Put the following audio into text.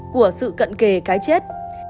của sự cận kề cái chết